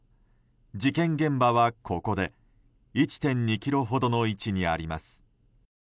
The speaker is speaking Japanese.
事件現場は、ここで１．２ｋｍほどの位置にあります。